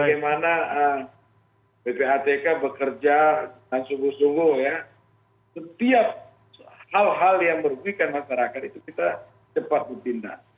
dan ppatk bekerja dengan sungguh sungguh ya setiap hal hal yang merugikan masyarakat itu kita cepat berpindah